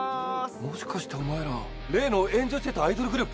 もしかしてお前ら例の炎上してたアイドルグループ？